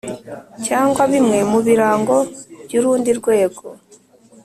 Cyangwa bimwe mu birango by urundi rwego